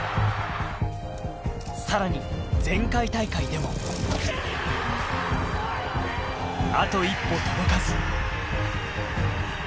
さらに前回大会でもあと一歩届かず。